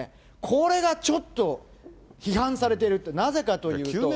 これがちょっと批判されてるって、なぜかというと。